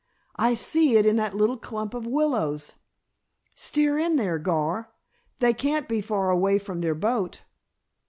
"I see it in that little clump of willows! Steer in there, Gar. They can't be far away from their boat."